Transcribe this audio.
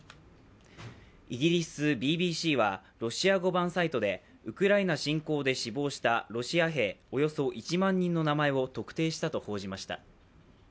イギリスＢＢＣはロシア語版サイトでウクライナ侵攻で死亡したロシア兵およそ１万人の名前を特定したと報じました。